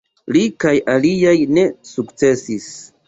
Li kaj aliaj ne sukcesis.